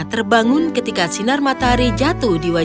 terbangun ketika sinar matahari